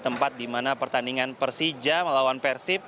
tempat di mana pertandingan persija melawan persib